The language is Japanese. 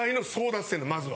まずは。